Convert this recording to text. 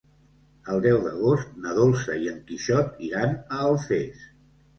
El deu d'agost na Dolça i en Quixot iran a Alfés.